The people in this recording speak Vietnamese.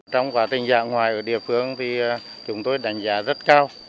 trong quá trình dạng ngoài ở địa phương thì chúng tôi đánh giá rất cao